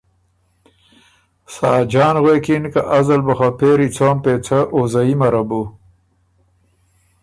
ساجان غوېکِن که ازل بُو خه پېری څوم پېڅه او زئِمه ره بُو۔